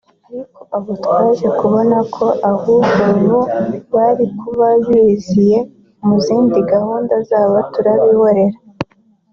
ariko abo twaje kubona ko ahubwo bo bari kuba biyiziye mu zindi gahunda zabo turabyihorera